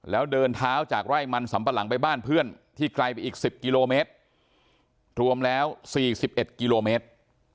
แล้วเดินเท้าจากไร่มันสำปะหลังไปบ้านเพื่อนที่ไกลไปอีก๑๐กิโลเมตรรวมแล้ว๔๑กิโลเมตร